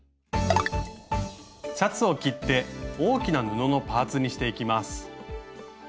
シャツを切って大きな布のパーツにしていきます。